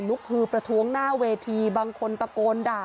ฮือประท้วงหน้าเวทีบางคนตะโกนด่า